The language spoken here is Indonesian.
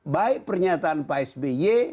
baik pernyataan pak sby